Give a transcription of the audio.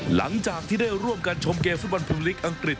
หลังจากที่ได้ร่วมกันชมเกมฟุตบอลภูมิลิกอังกฤษ